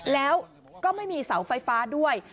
แล้วก็ไม่มีเสาไฟฟ้าด้วย